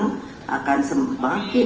dan kita bisa memperbaiki perkembangan kita